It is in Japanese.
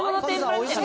おいしい。